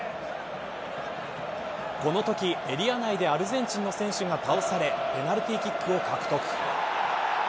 このとき、エリア内でアルゼンチンの選手が倒されペナルティーキックを獲得。